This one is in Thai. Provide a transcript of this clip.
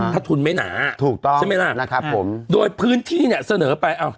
ถ้าทุนไม่หนาถูกต้องใช่ไหมล่ะนะครับผมโดยพื้นที่เนี่ยเสนอไป